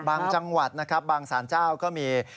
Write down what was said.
บางจังหวัดบางสารเจ้าก็มี